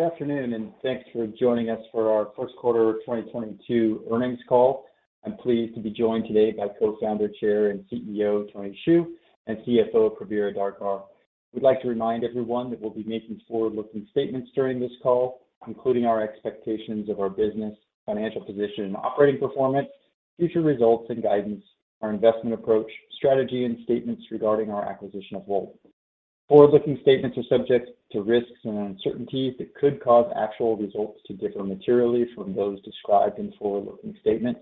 Good afternoon, and thanks for joining us for our first quarter 2022 earnings call. I'm pleased to be joined today by Co-founder, Chair, and CEO, Tony Xu, and CFO, Prabir Adarkar. We'd like to remind everyone that we'll be making forward-looking statements during this call, including our expectations of our business, financial position, and operating performance, future results and guidance, our investment approach, strategy, and statements regarding our acquisition of Wolt. Forward-looking statements are subject to risks and uncertainties that could cause actual results to differ materially from those described in forward-looking statements,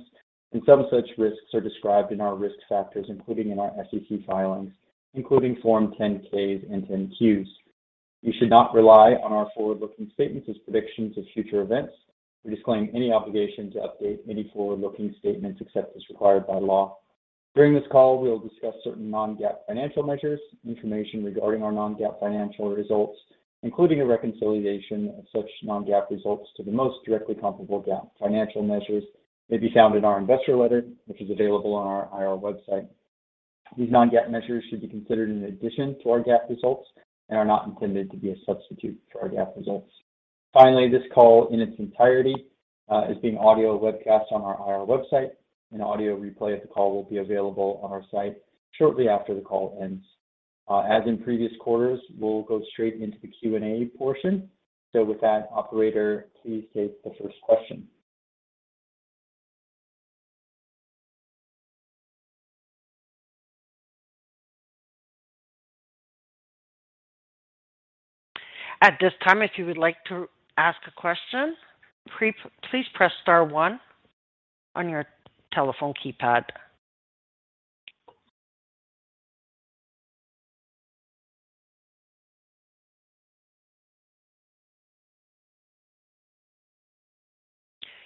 and some such risks are described in our risk factors, including in our SEC filings, including Form 10-Ks and 10-Qs. You should not rely on our forward-looking statements as predictions of future events. We disclaim any obligation to update any forward-looking statements except as required by law. During this call, we will discuss certain non-GAAP financial measures. Information regarding our non-GAAP financial results, including a reconciliation of such non-GAAP results to the most directly comparable GAAP financial measures, may be found in our investor letter, which is available on our IR website. These non-GAAP measures should be considered in addition to our GAAP results and are not intended to be a substitute for our GAAP results. Finally, this call in its entirety is being audio webcast on our IR website. An audio replay of the call will be available on our site shortly after the call ends. As in previous quarters, we'll go straight into the Q&A portion. With that, operator, please take the first question. At this time, if you would like to ask a question, please press star one on your telephone keypad.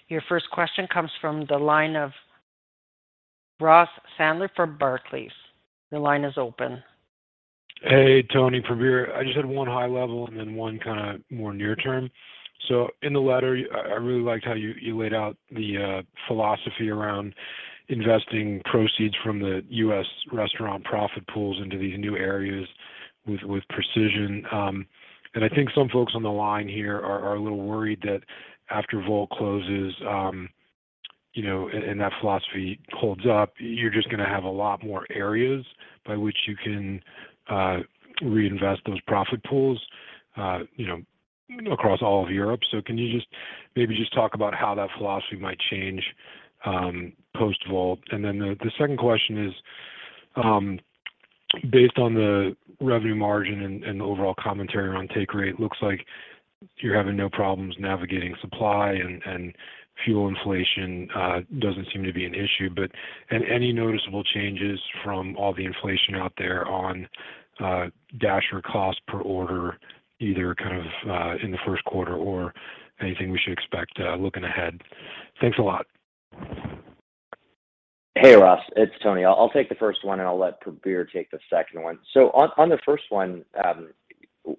Your first question comes from the line of Ross Sandler from Barclays. Your line is open. Hey, Tony, Prabir. I just had one high level and then one kinda more near term. In the letter, I really liked how you laid out the philosophy around investing proceeds from the US restaurant profit pools into these new areas with precision. I think some folks on the line here are a little worried that after Wolt closes, you know, and that philosophy holds up, you're just gonna have a lot more areas by which you can reinvest those profit pools, you know, across all of Europe. Can you just maybe just talk about how that philosophy might change post-Wolt? The second question is, based on the revenue margin and the overall commentary on take rate, looks like you're having no problems navigating supply and fuel inflation. Doesn't seem to be an issue, but any noticeable changes from all the inflation out there on Dasher cost per order, either kind of in the first quarter or anything we should expect looking ahead? Thanks a lot. Hey, Ross. It's Tony. I'll take the first one, and I'll let Prabir take the second one. On the first one,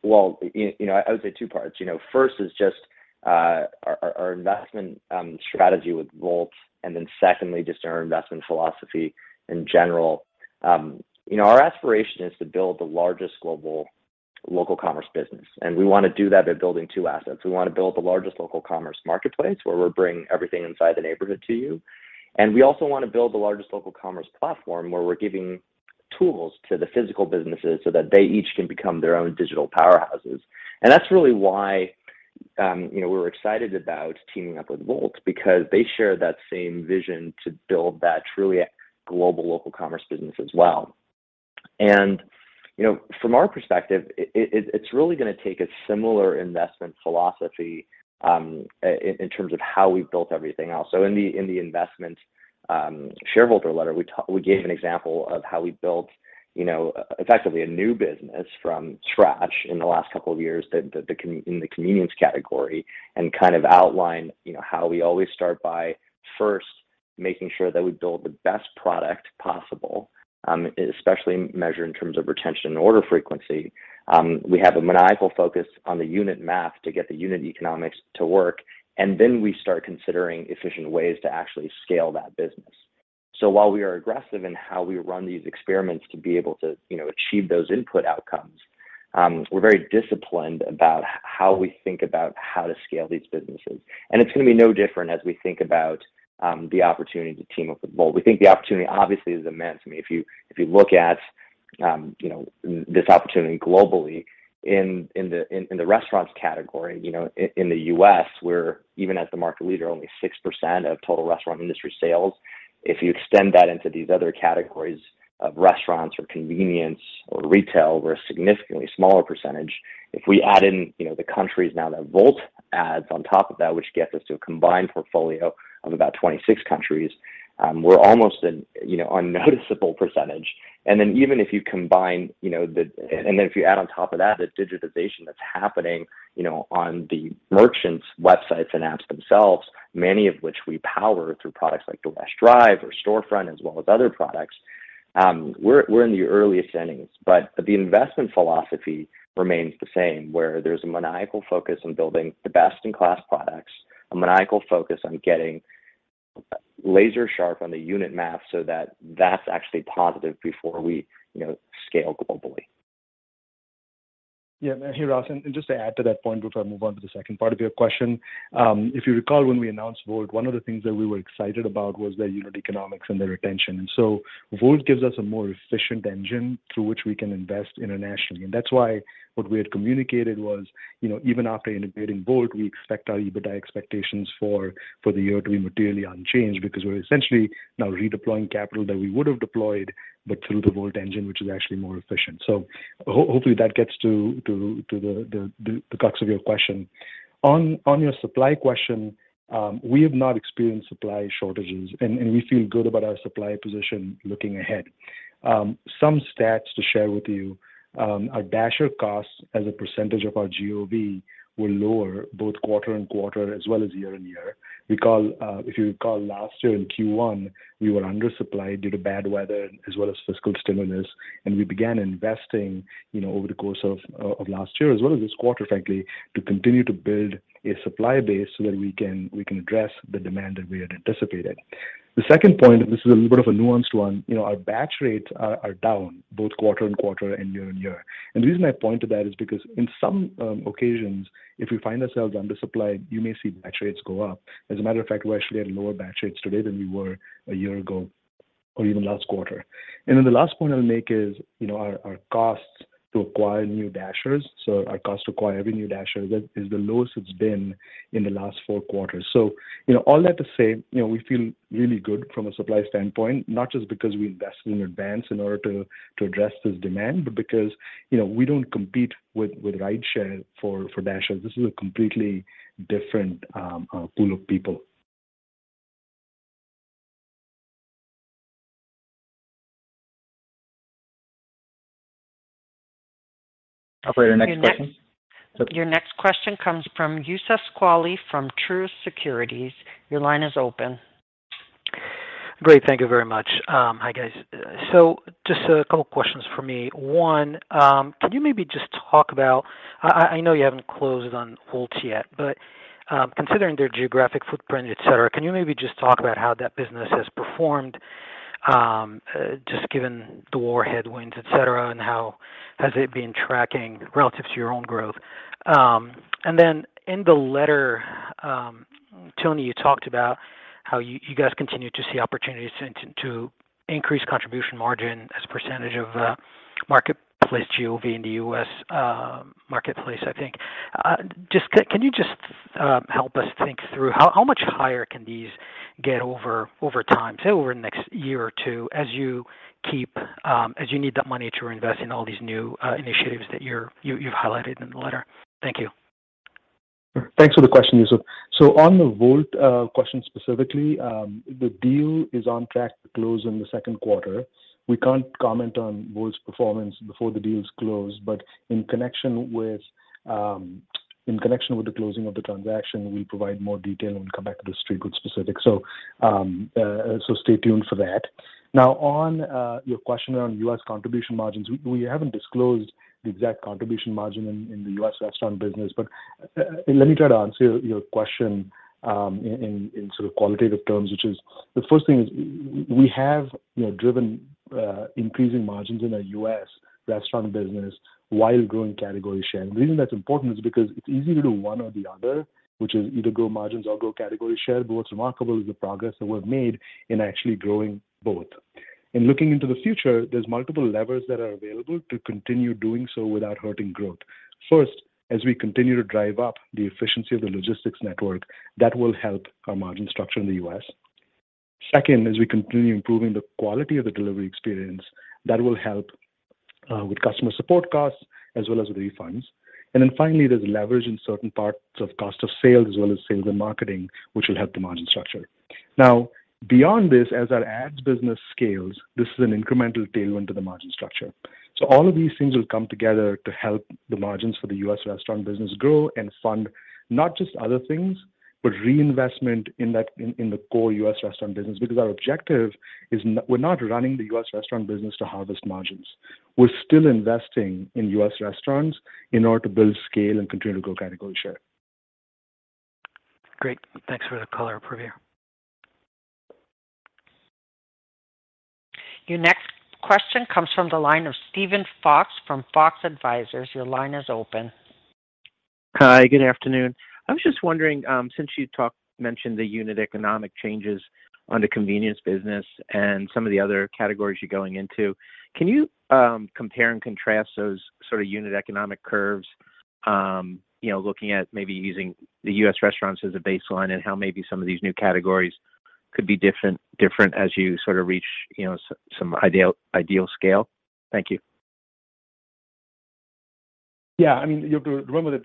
well, you know, I would say two parts. You know, first is just our investment strategy with Wolt, and then secondly, just our investment philosophy in general. You know, our aspiration is to build the largest global local commerce business, and we wanna do that by building two assets. We wanna build the largest local commerce marketplace, where we're bringing everything inside the neighborhood to you, and we also wanna build the largest local commerce platform, where we're giving tools to the physical businesses so that they each can become their own digital powerhouses. That's really why, you know, we're excited about teaming up with Wolt because they share that same vision to build that truly global local commerce business as well. You know, from our perspective, it's really gonna take a similar investment philosophy in terms of how we've built everything else. In the investment shareholder letter, we gave an example of how we built, you know, effectively a new business from scratch in the last couple of years that in the convenience category and kind of outlined, you know, how we always start by first making sure that we build the best product possible, especially measured in terms of retention and order frequency. We have a maniacal focus on the unit math to get the unit economics to work, and then we start considering efficient ways to actually scale that business. While we are aggressive in how we run these experiments to be able to, you know, achieve those input outcomes, we're very disciplined about how we think about how to scale these businesses, and it's gonna be no different as we think about the opportunity to team up with Wolt. We think the opportunity obviously is immense. I mean, if you look at, you know, this opportunity globally in the restaurants category, you know, in the U.S., we're, even as the market leader, only 6% of total restaurant industry sales. If you extend that into these other categories of restaurants or convenience or retail, we're a significantly smaller percentage. If we add in, you know, the countries now that Wolt adds on top of that, which gets us to a combined portfolio of about 26 countries, we're almost an, you know, unnoticeable percentage. If you add on top of that the digitization that's happening, you know, on the merchants' websites and apps themselves, many of which we power through products like DoorDash drive or Storefront as well as other products, we're in the earliest innings. The investment philosophy remains the same, where there's a maniacal focus on building the best-in-class products, a maniacal focus on getting Laser sharp on the unit math so that that's actually positive before we, you know, scale globally. Yeah. Hey, Ross, just to add to that point before I move on to the second part of your question. If you recall, when we announced Wolt, one of the things that we were excited about was their unit economics and their retention. Wolt gives us a more efficient engine through which we can invest internationally. That's why what we had communicated was, you know, even after integrating Wolt, we expect our EBITDA expectations for the year to be materially unchanged because we're essentially now redeploying capital that we would have deployed, but through the Wolt engine, which is actually more efficient. Hopefully that gets to the crux of your question. On your supply question, we have not experienced supply shortages, and we feel good about our supply position looking ahead. Some stats to share with you. Our Dasher costs as a percentage of our GOV were lower both quarter-over-quarter and year-over-year. Recall, if you recall, last year in Q1, we were undersupplied due to bad weather as well as fiscal stimulus. We began investing, you know, over the course of last year as well as this quarter, frankly, to continue to build a supply base so that we can address the demand that we had anticipated. The second point, this is a little bit of a nuanced one. You know, our batch rates are down both quarter-over-quarter and year-over-year. The reason I point to that is because in some occasions, if we find ourselves undersupplied, you may see batch rates go up. As a matter of fact, we actually had lower batch rates today than we were a year ago or even last quarter. Then the last point I'll make is, you know, our costs to acquire new Dashers. Our cost to acquire every new Dasher that is the lowest it's been in the last four quarters. You know, all that to say, you know, we feel really good from a supply standpoint, not just because we invested in advance in order to address this demand, but because, you know, we don't compete with rideshare for Dashers. This is a completely different pool of people. Operator, next question. Your next. Okay. Your next question comes from Youssef Squali from Truist Securities. Your line is open. Great. Thank you very much. Hi, guys. Just a couple of questions for me. One, I know you haven't closed on Wolt yet, but considering their geographic footprint, et cetera, can you maybe just talk about how that business has performed, just given the war headwinds, et cetera, and how has it been tracking relative to your own growth? In the letter, Tony, you guys continue to see opportunities to increase contribution margin as a percentage of marketplace GOV in the U.S. marketplace, I think. Just, can you just help us think through how much higher can these get over time, say, over the next year or two, as you need that money to invest in all these new initiatives that you've highlighted in the letter? Thank you. Thanks for the question, Youssef. On the Wolt question specifically, the deal is on track to close in the second quarter. We can't comment on Wolt's performance before the deal is closed, but in connection with the closing of the transaction, we'll provide more detail when we come back to the Street with specifics. Stay tuned for that. Now, on your question around U.S. contribution margins, we haven't disclosed the exact contribution margin in the U.S. restaurant business. Let me try to answer your question in sort of qualitative terms, which is the first thing is we have, you know, driven increasing margins in our U.S. restaurant business while growing category share. The reason that's important is because it's easy to do one or the other, which is either grow margins or grow category share, but what's remarkable is the progress that we've made in actually growing both. In looking into the future, there's multiple levers that are available to continue doing so without hurting growth. First, as we continue to drive up the efficiency of the logistics network, that will help our margin structure in the U.S. Second, as we continue improving the quality of the delivery experience, that will help with customer support costs as well as refunds. Finally, there's leverage in certain parts of cost of sales as well as sales and marketing, which will help the margin structure. Now, beyond this, as our ads business scales, this is an incremental tailwind to the margin structure. All of these things will come together to help the margins for the US restaurant business grow and fund not just other things, but reinvestment in the core US restaurant business. Because we're not running the US restaurant business to harvest margins. We're still investing in US restaurants in order to build scale and continue to grow category share. Great. Thanks for the color, Prabir. Your next question comes from the line of Steven Fox from Fox Advisors. Your line is open. Hi, good afternoon. I was just wondering, since you mentioned the unit economic changes on the convenience business and some of the other categories you're going into, can you compare and contrast those sort of unit economic curves, you know, looking at maybe using the U.S. restaurants as a baseline and how maybe some of these new categories could be different as you sort of reach, you know, some ideal scale? Thank you. Yeah. I mean, you have to remember that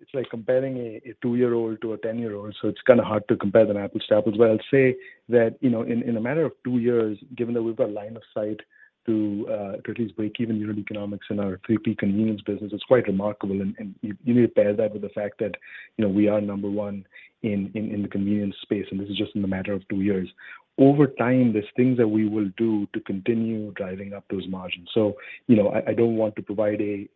it's like comparing a two-year-old to a 10-year-old, so it's kind of hard to compare them apple-to-apple. I'll say that, you know, in a matter of two years, given that we've got line of sight to at least break even unit economics in our 3P convenience business, it's quite remarkable. You need to pair that with the fact that, you know, we are number one in the convenience space, and this is just in a matter of two years. Over time, there's things that we will do to continue driving up those margins. You know, I don't want to provide a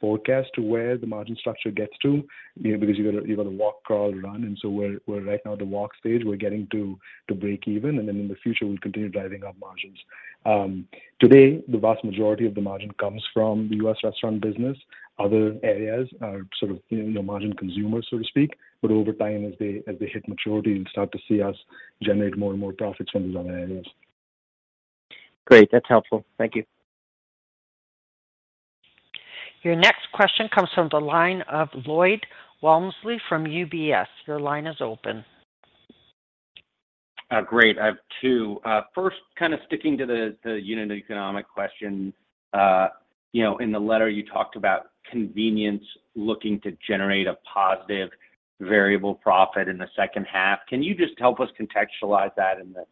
forecast to where the margin structure gets to because you've got to walk, crawl, run, and we're right now at the walk stage. We're getting to breakeven, and then in the future, we'll continue driving up margins. Today, the vast majority of the margin comes from the U.S. restaurant business. Other areas are sort of, you know, margin consumers, so to speak. Over time, as they hit maturity, you'll start to see us generate more and more profits from those other areas. Great. That's helpful. Thank you. Your next question comes from the line of Lloyd Walmsley from UBS. Your line is open. Great. I have two. First, kind of sticking to the unit economic question, you know, in the letter, you talked about convenience looking to generate a positive variable profit in the second half. Can you just help us contextualize that in the,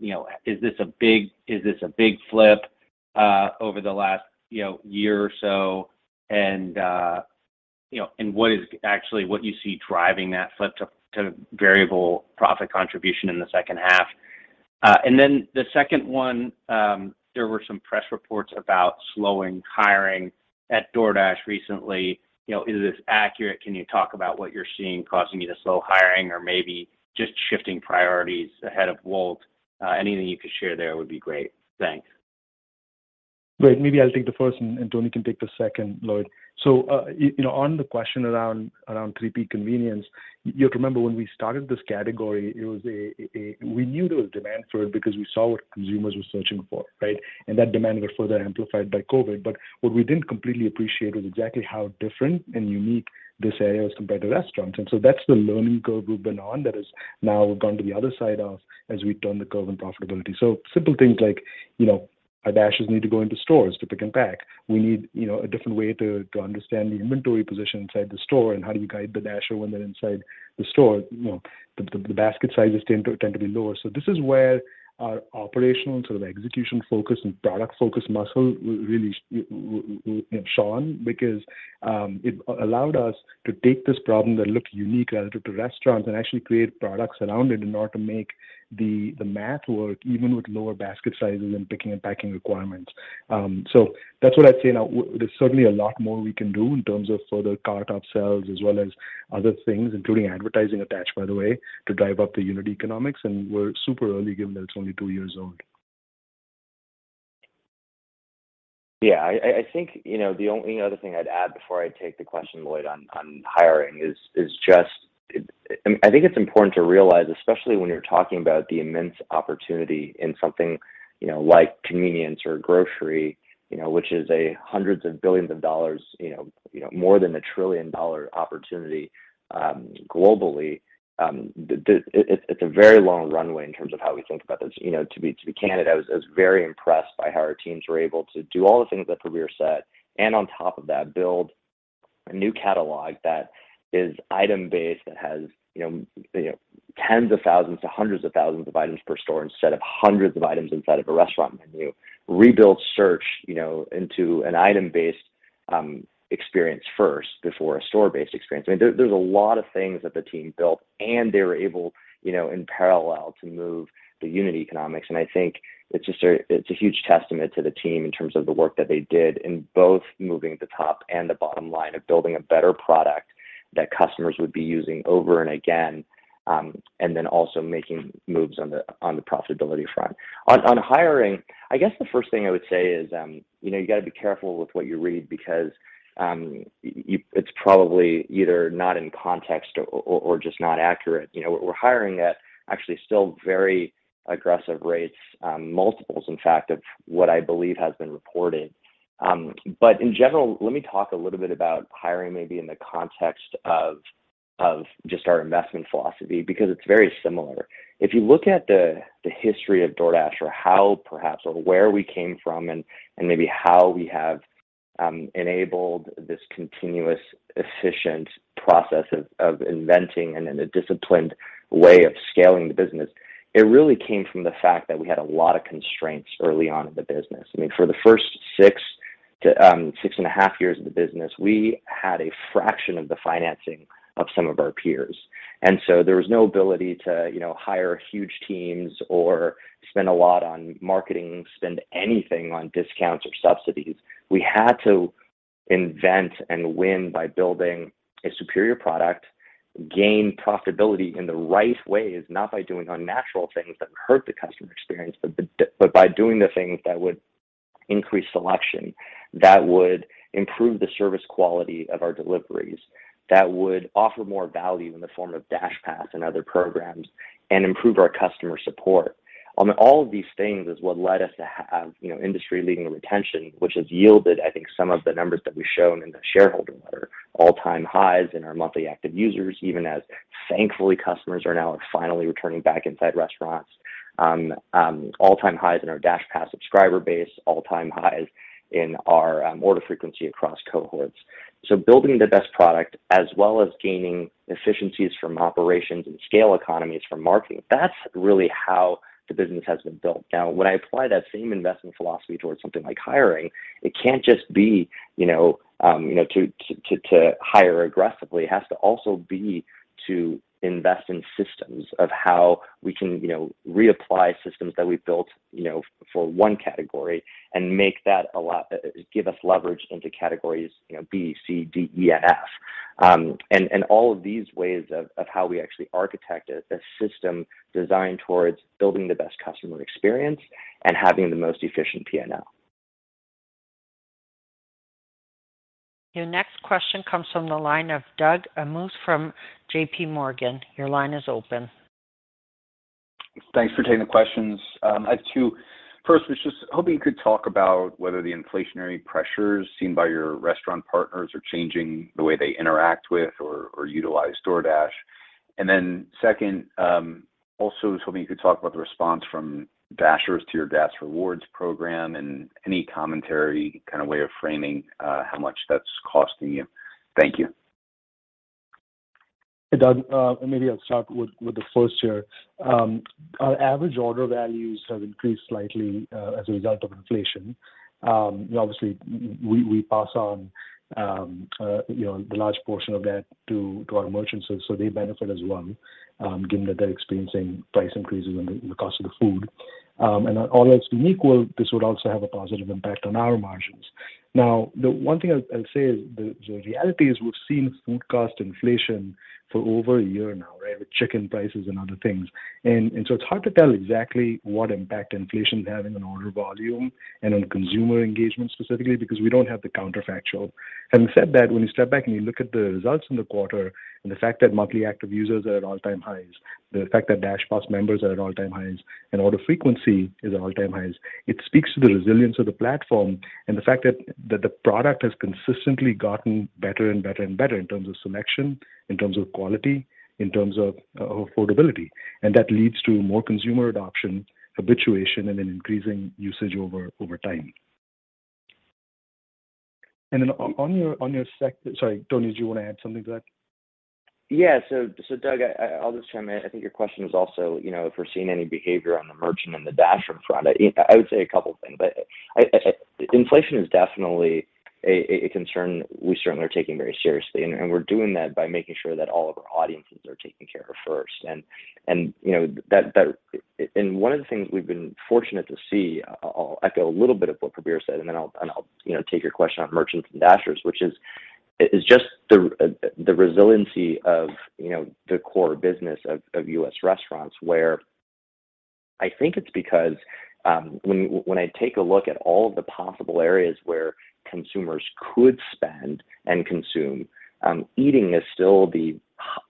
you know, is this a big flip over the last, you know, year or so? And you know, what is actually what you see driving that flip to variable profit contribution in the second half? Then the second one, there were some press reports about slowing hiring at DoorDash recently. You know, is this accurate? Can you talk about what you're seeing causing you to slow hiring or maybe just shifting priorities ahead of Wolt? Anything you could share there would be great. Thanks. Great. Maybe I'll take the first, and Tony can take the second, Lloyd. You know, on the question around 3P convenience, you have to remember when we started this category, we knew there was demand for it because we saw what consumers were searching for, right? That demand got further amplified by COVID. What we didn't completely appreciate was exactly how different and unique this area was compared to restaurants. That's the learning curve we've been on that has now gone to the other side of as we turn the curve in profitability. Simple things like, you know, our dashers need to go into stores to pick and pack. We need, you know, a different way to understand the inventory position inside the store and how do you guide the Dasher when they're inside the store. You know, the basket sizes tend to be lower. This is where our operational and sort of execution focus and product focus muscle really shone because it allowed us to take this problem that looked unique relative to restaurants and actually create products around it in order to make the math work even with lower basket sizes and picking and packing requirements. That's what I'd say. Now, there's certainly a lot more we can do in terms of further cart upsells as well as other things, including advertising attach, by the way, to drive up the unit economics. We're super early given that it's only two years old. Yeah. I think, you know, the only other thing I'd add before I take the question, Lloyd, on hiring is just. I think it's important to realize, especially when you're talking about the immense opportunity in something, you know, like convenience or grocery, you know, which is hundreds of billions of dollars, you know, more than a trillion-dollar opportunity, globally. It's a very long runway in terms of how we think about this. You know, to be candid, I was very impressed by how our teams were able to do all the things that Prabir Adarkar said, and on top of that, build a new catalog that is item-based, that has you know tens of thousands to hundreds of thousands of items per store instead of hundreds of items inside of a restaurant menu. Rebuild search, you know, into an item-based experience first before a store-based experience. I mean, there's a lot of things that the team built, and they were able, you know, in parallel to move the unit economics. I think it's just a huge testament to the team in terms of the work that they did in both moving the top and the bottom line of building a better product that customers would be using over and again, and then also making moves on the profitability front. On hiring, I guess the first thing I would say is, you know, you got to be careful with what you read because, it's probably either not in context or just not accurate. You know, we're hiring at actually still very aggressive rates, multiples, in fact, of what I believe has been reported. But in general, let me talk a little bit about hiring maybe in the context of just our investment philosophy, because it's very similar. If you look at the history of DoorDash or how, perhaps, where we came from and maybe how we have enabled this continuous efficient process of inventing and in a disciplined way of scaling the business, it really came from the fact that we had a lot of constraints early on in the business. I mean, for the first 6 to 6.5 years of the business, we had a fraction of the financing of some of our peers. There was no ability to, you know, hire huge teams or spend a lot on marketing, spend anything on discounts or subsidies. We had to invent and win by building a superior product, gain profitability in the right ways, not by doing unnatural things that hurt the customer experience, but by doing the things that would increase selection, that would improve the service quality of our deliveries, that would offer more value in the form of DashPass and other programs, and improve our customer support. All of these things is what led us to have, you know, industry-leading retention, which has yielded, I think, some of the numbers that we've shown in the shareholder letter. All-time highs in our monthly active users, even as thankfully customers are now finally returning back inside restaurants. All-time highs in our DashPass subscriber base, all-time highs in our order frequency across cohorts. Building the best product as well as gaining efficiencies from operations and scale economies from marketing, that's really how the business has been built. Now, when I apply that same investment philosophy towards something like hiring, it can't just be, you know, to hire aggressively. It has to also be to invest in systems of how we can, you know, reapply systems that we've built, you know, for one category and give us leverage into categories, you know, B, C, D, E, F. And all of these ways of how we actually architect a system designed towards building the best customer experience and having the most efficient PNL. Your next question comes from the line of Doug Anmuth from JPMorgan. Your line is open. Thanks for taking the questions. I had two. First was just hoping you could talk about whether the inflationary pressures seen by your restaurant partners are changing the way they interact with or utilize DoorDash. Second, also was hoping you could talk about the response from Dashers to your Dash rewards program and any commentary, kind of way of framing, how much that's costing you. Thank you. Hey, Doug, maybe I'll start with the first here. Our average order values have increased slightly as a result of inflation. Obviously we pass on you know the large portion of that to our merchants so they benefit as well given that they're experiencing price increases in the cost of the food. And all else being equal, this would also have a positive impact on our margins. Now, the one thing I'll say is the reality is we've seen food cost inflation for over a year now, right, with chicken prices and other things. It's hard to tell exactly what impact inflation is having on order volume and on consumer engagement specifically because we don't have the counterfactual. Having said that, when you step back and you look at the results in the quarter and the fact that monthly active users are at all-time highs, the fact that DashPass members are at all-time highs and order frequency is at all-time highs, it speaks to the resilience of the platform and the fact that the product has consistently gotten better and better and better in terms of selection, in terms of quality, in terms of affordability. That leads to more consumer adoption, habituation, and an increasing usage over time. Sorry, Tony, did you want to add something to that? Yeah. Doug, I'll just chime in. I think your question is also, you know, if we're seeing any behavior on the merchant and the Dasher front. I would say a couple things. Inflation is definitely a concern we certainly are taking very seriously. We're doing that by making sure that all of our audiences are taken care of first. One of the things we've been fortunate to see, I'll echo a little bit of what Prabir said, and then I'll, you know, take your question on merchants and Dashers, which is just the resiliency of, you know, the core business of U.S. restaurants where I think it's because when I take a look at all of the possible areas where consumers could spend and consume, eating is still the,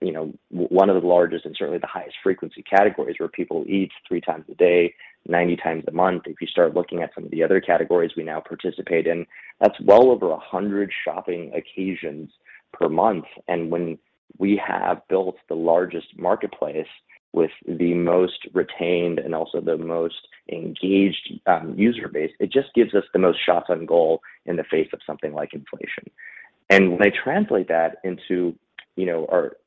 you know, one of the largest and certainly the highest frequency categories, where people eat 3 times a day, 90 times a month. If you start looking at some of the other categories we now participate in, that's well over 100 shopping occasions per month. When we have built the largest marketplace with the most retained and also the most engaged user base, it just gives us the most shots on goal in the face of something like inflation. When I translate that into, you know, our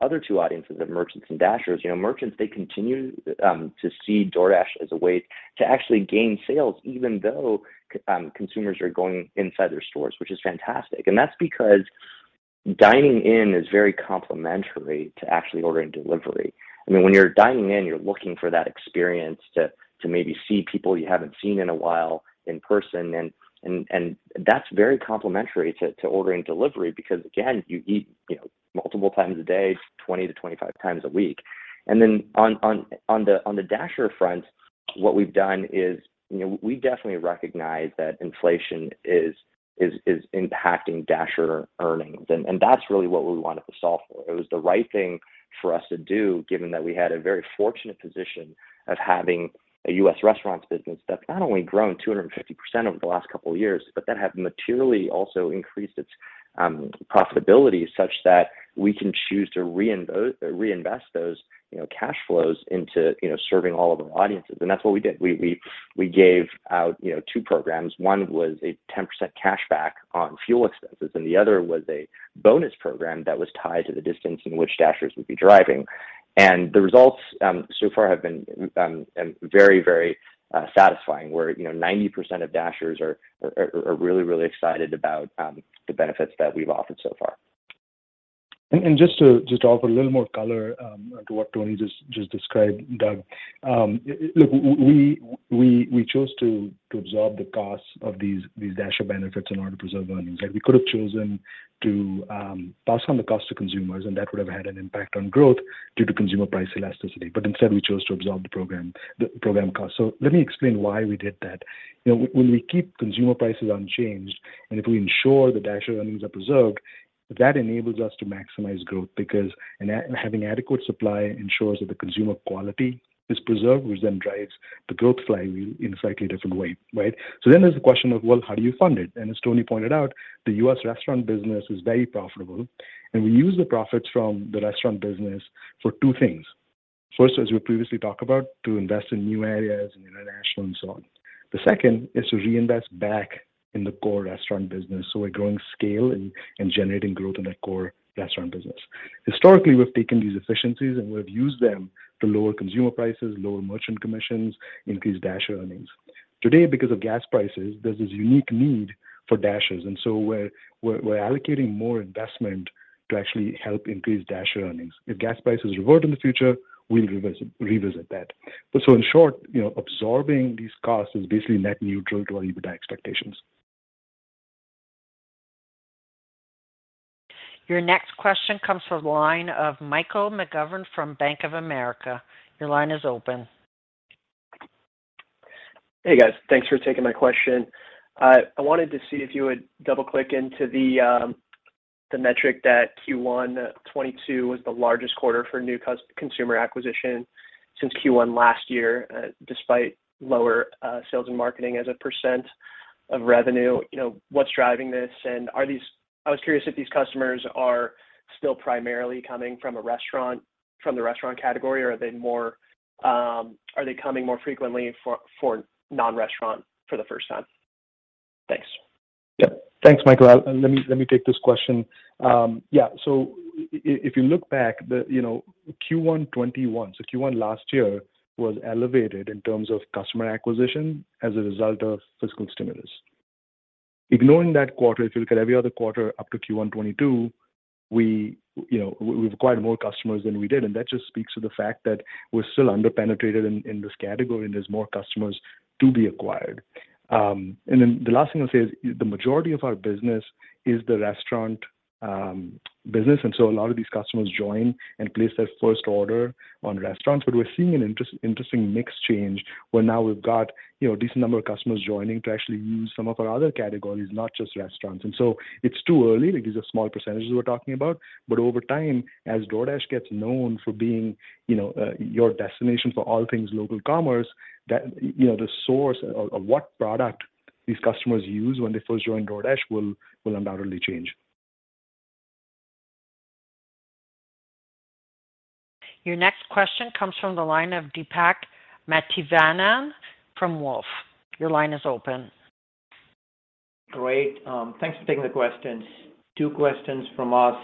other two audiences of merchants and Dashers, you know, merchants, they continue to see DoorDash as a way to actually gain sales even though consumers are going inside their stores, which is fantastic. That's because dining in is very complementary to actually ordering delivery. I mean, when you're dining in, you're looking for that experience to maybe see people you haven't seen in a while in person and that's very complementary to ordering delivery because, again, you eat, you know, multiple times a day, 20-25 times a week. On the Dasher front, what we've done is, you know, we definitely recognize that inflation is impacting Dasher earnings and that's really what we wanted to solve for. It was the right thing for us to do given that we had a very fortunate position of having a U.S. restaurants business that's not only grown 250% over the last couple of years, but that have materially also increased its profitability such that we can choose to reinvest those, you know, cash flows into, you know, serving all of our audiences. That's what we did. We gave out, you know, two programs. One was a 10% cashback on fuel expenses, and the other was a bonus program that was tied to the distance in which Dashers would be driving. The results so far have been very satisfying, where you know, 90% of Dashers are really excited about the benefits that we've offered so far. Just to offer a little more color to what Tony just described, Doug. Look, we chose to absorb the costs of these Dasher benefits in order to preserve earnings. Like, we could have chosen to pass on the cost to consumers, and that would have had an impact on growth due to consumer price elasticity. Instead, we chose to absorb the program cost. Let me explain why we did that. You know, when we keep consumer prices unchanged, and if we ensure the Dasher earnings are preserved, that enables us to maximize growth because having adequate supply ensures that the consumer quality is preserved, which then drives the growth flywheel in a slightly different way, right? There's the question of, well, how do you fund it? As Tony pointed out, the U.S. restaurant business is very profitable, and we use the profits from the restaurant business for two things. First, as we previously talked about, to invest in new areas and international and so on. The second is to reinvest back in the core restaurant business. We're growing scale and generating growth in our core restaurant business. Historically, we've taken these efficiencies, and we've used them to lower consumer prices, lower merchant commissions, increase Dasher earnings. Today, because of gas prices, there's this unique need for Dashers, and so we're allocating more investment to actually help increase Dasher earnings. If gas prices revert in the future, we'll revisit that. In short, you know, absorbing these costs is basically net neutral to our EBITDA expectations. Your next question comes from the line of Michael McGovern from Bank of America. Your line is open. Hey, guys. Thanks for taking my question. I wanted to see if you would double-click into the metric that Q1 2022 was the largest quarter for new consumer acquisition since Q1 last year, despite lower sales and marketing as a % of revenue. You know, what's driving this? I was curious if these customers are still primarily coming from the restaurant category, or are they coming more frequently for non-restaurant for the first time? Thanks. Yeah. Thanks, Michael. Let me take this question. Yeah. If you look back, the you know Q1 2021, so Q1 last year, was elevated in terms of customer acquisition as a result of fiscal stimulus. Ignoring that quarter, if you look at every other quarter up to Q1 2022, we you know we've acquired more customers than we did, and that just speaks to the fact that we're still under-penetrated in this category, and there's more customers to be acquired. The last thing I'll say is the majority of our business is the restaurant business, and so a lot of these customers join and place their first order on restaurants. We're seeing an interesting mix change, where now we've got you know a decent number of customers joining to actually use some of our other categories, not just restaurants. It's too early. Like, these are small percentages we're talking about. Over time, as DoorDash gets known for being, you know, your destination for all things local commerce, that, you know, the source of what product these customers use when they first join DoorDash will undoubtedly change. Your next question comes from the line of Deepak Mathivanan from Wolfe. Your line is open. Great. Thanks for taking the questions. Two questions from us.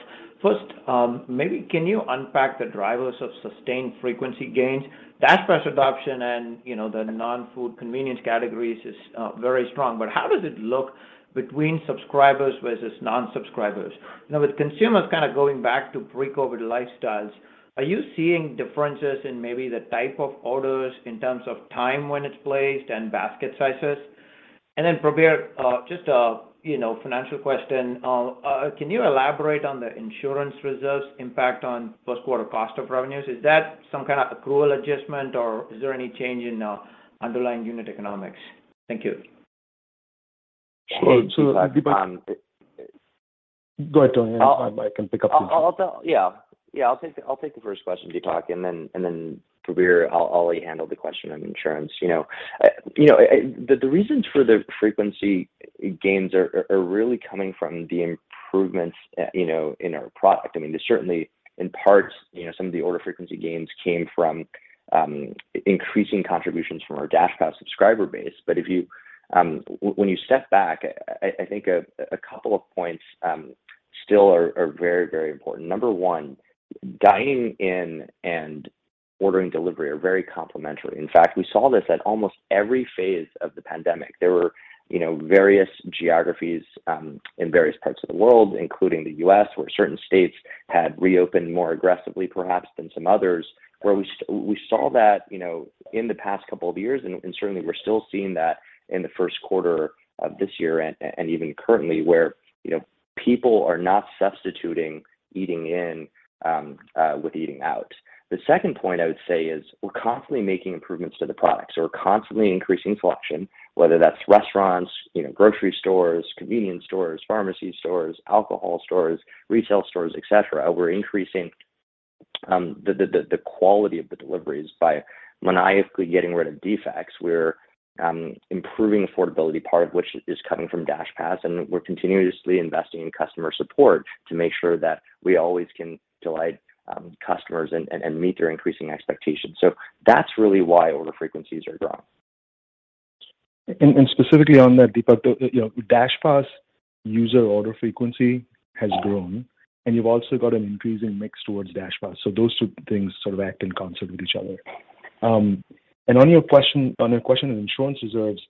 First, maybe can you unpack the drivers of sustained frequency gains? DashPass adoption and, you know, the non-food convenience categories is very strong, but how does it look between subscribers versus non-subscribers? You know, with consumers kind of going back to pre-COVID lifestyles, are you seeing differences in maybe the type of orders in terms of time when it's placed and basket sizes? Then, Prabir, just a, you know, financial question. Can you elaborate on the insurance reserves impact on first quarter cost of revenues? Is that some kind of accrual adjustment, or is there any change in underlying unit economics? Thank you. Sure. Deepak. Hey, Deepak. Go ahead, Tony, and I can pick up from there. Yeah. I'll take the first question, Deepak, and then, Prabir, I'll handle the question on insurance. You know, the reasons for the frequency gains are really coming from the improvements, you know, in our product. I mean, there's certainly, in parts, you know, some of the order frequency gains came from increasing contributions from our DashPass subscriber base. But if you, when you step back, I think a couple of points still are very important. Number one, dining in and ordering delivery are very complementary. In fact, we saw this at almost every phase of the pandemic. There were, you know, various geographies in various parts of the world, including the U.S., where certain states had reopened more aggressively perhaps than some others, where we saw that, you know, in the past couple of years, and certainly we're still seeing that in the first quarter of this year and even currently, where, you know, people are not substituting eating in with eating out. The second point I would say is we're constantly making improvements to the products. We're constantly increasing selection, whether that's restaurants, you know, grocery stores, convenience stores, pharmacy stores, alcohol stores, retail stores, et cetera. We're increasing the quality of the deliveries by maniacally getting rid of defects. We're improving affordability, part of which is coming from DashPass, and we're continuously investing in customer support to make sure that we always can delight customers and meet their increasing expectations. That's really why order frequencies are growing. Specifically on that, Deepak, you know, DashPass user order frequency has grown, and you've also got an increase in mix towards DashPass. Those two things sort of act in concert with each other. On your question on insurance reserves,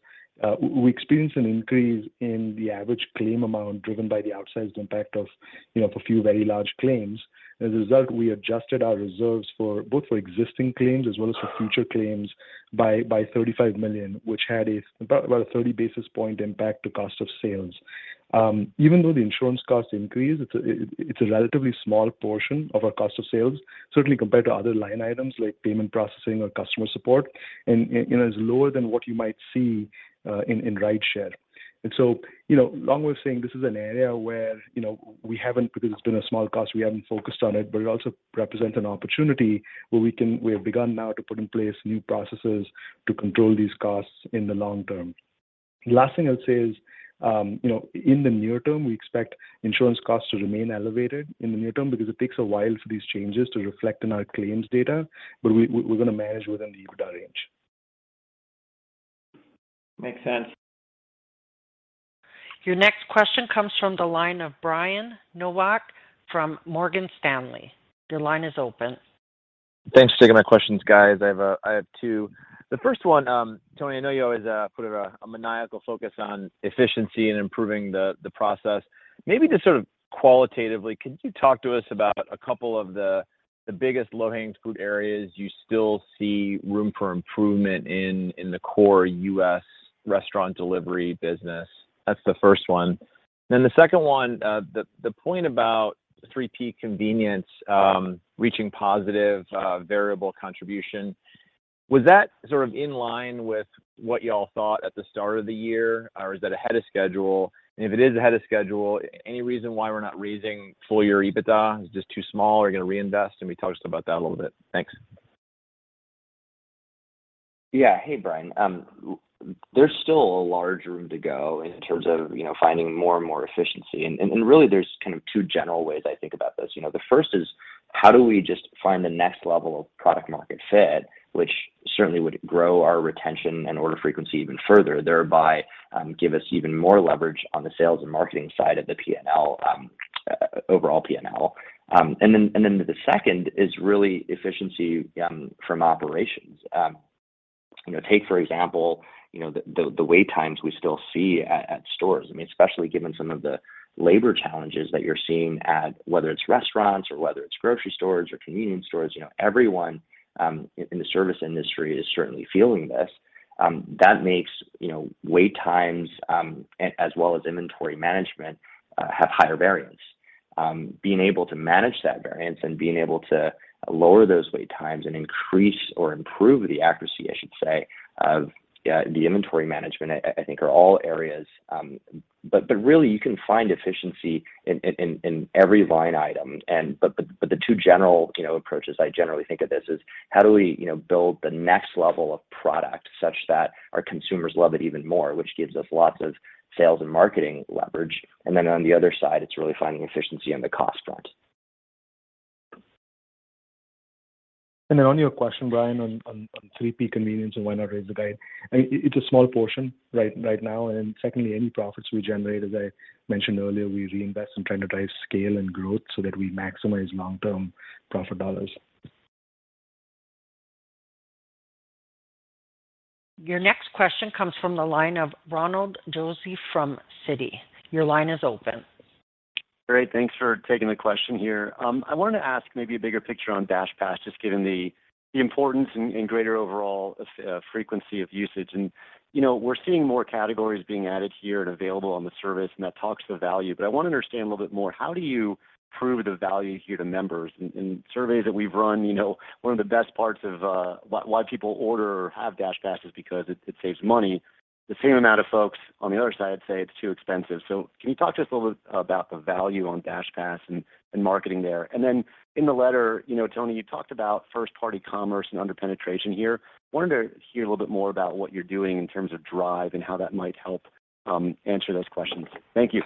we experienced an increase in the average claim amount driven by the outsized impact of, you know, a few very large claims. As a result, we adjusted our reserves for both for existing claims as well as for future claims by $35 million, which had about a 30 basis point impact to cost of sales. Even though the insurance costs increased, it's a relatively small portion of our cost of sales, certainly compared to other line items like payment processing or customer support, and, you know, is lower than what you might see in rideshare. You know, long way of saying this is an area where, you know, we haven't, because it's been a small cost, we haven't focused on it, but it also represents an opportunity where we have begun now to put in place new processes to control these costs in the long term. Last thing I'll say is, you know, in the near term, we expect insurance costs to remain elevated in the near term because it takes a while for these changes to reflect in our claims data, but we're gonna manage within the EBITDA range. Makes sense. Your next question comes from the line of Brian Nowak from Morgan Stanley. Your line is open. Thanks for taking my questions, guys. I have two. The first one, Tony, I know you always put a maniacal focus on efficiency and improving the process. Maybe just sort of qualitatively, could you talk to us about a couple of the biggest low-hanging fruit areas you still see room for improvement in the core U.S. restaurant delivery business? That's the first one. The second one, the point about 3P convenience reaching positive variable contribution. Was that sort of in line with what y'all thought at the start of the year, or is that ahead of schedule? And if it is ahead of schedule, any reason why we're not raising full year EBITDA? Is it just too small? Are you gonna reinvest? Can you talk to us about that a little bit? Thanks. Yeah. Hey, Brian. There's still a large room to go in terms of, you know, finding more and more efficiency. Really, there's kind of two general ways I think about this. You know, the first is, how do we just find the next level of product market fit, which certainly would grow our retention and order frequency even further, thereby give us even more leverage on the sales and marketing side of the PNL, overall PNL. Then the second is really efficiency from operations. You know, take, for example, the wait times we still see at stores. I mean, especially given some of the labor challenges that you're seeing at whether it's restaurants or whether it's grocery stores or convenience stores. You know, everyone in the service industry is certainly feeling this. That makes, you know, wait times as well as inventory management have higher variance. Being able to manage that variance and being able to lower those wait times and increase or improve the accuracy, I should say, of the inventory management, I think are all areas. The two general, you know, approaches I generally think of this is how do we, you know, build the next level of product such that our consumers love it even more, which gives us lots of sales and marketing leverage. On the other side, it's really finding efficiency on the cost front. On your question, Brian, on 3P convenience and why not raise the guide, it's a small portion right now. Secondly, any profits we generate, as I mentioned earlier, we reinvest in trying to drive scale and growth so that we maximize long-term profit dollars. Your next question comes from the line of Ronald Josey from Citi. Your line is open. Great. Thanks for taking the question here. I wanted to ask maybe a bigger picture on DashPass, just given the importance and greater overall frequency of usage. You know, we're seeing more categories being added here and available on the service, and that talks to the value. But I wanna understand a little bit more, how do you prove the value here to members? In surveys that we've run, you know, one of the best parts of why people order or have DashPass is because it saves money. The same amount of folks on the other side say it's too expensive. Can you talk to us a little bit about the value on DashPass and marketing there? Then in the letter, you know, Tony, you talked about first-party commerce and under-penetration here. Wanted to hear a little bit more about what you're doing in terms of drive and how that might help answer those questions. Thank you.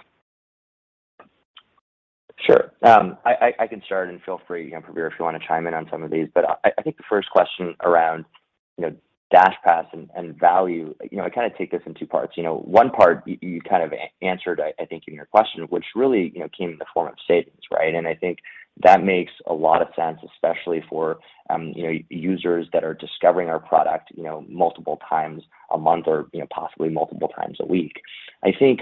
Sure. I can start, and feel free, Prabir, if you wanna chime in on some of these. I think the first question around, you know, DashPass and value, you know, I kinda take this in two parts. You know, one part you kind of answered, I think in your question, which really, you know, came in the form of savings, right? I think that makes a lot of sense, especially for you know, users that are discovering our product, you know, multiple times a month or, you know, possibly multiple times a week. I think